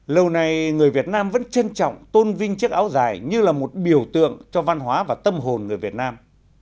lâu nay người việt nam vẫn trân trọng tôn vinh chiếc áo dài như là một biểu tượng cho văn hóa và tâm hồn người việt nam